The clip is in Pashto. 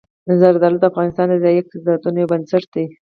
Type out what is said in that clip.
زردالو د افغانستان د ځایي اقتصادونو یو بنسټ دی.